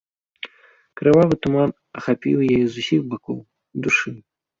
Крывавы туман ахапіў яе з усіх бакоў, душыў.